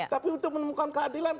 tapi untuk menemukan keadilan